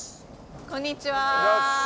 こんにちは。